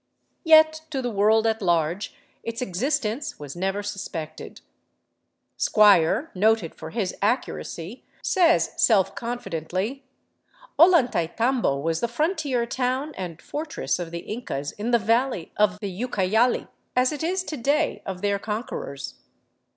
Yet to the world at large its exist ence was never suspected. Squier, noted for his accuracy, says self confidently :" Ollantaytambo was the frontier town and fortress of the Incas in the valley of the Ucayali, as it is to day of their con querors.